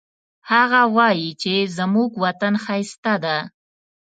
هغه وایي چې زموږ وطن ښایسته ده